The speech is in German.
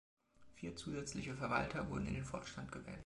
Vier zusätzliche Verwalter wurden in den Vorstand gewählt.